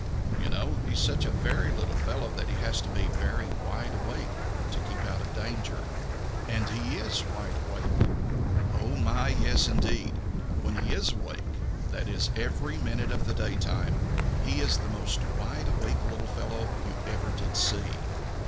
You know, he is such a very little fellow that he has to be very wide awake to keep out of danger. And he is wide awake. Oh, my, yes, indeed! When he is awake, and that is every minute of the daytime, he is the most wide awake little fellow you ever did see.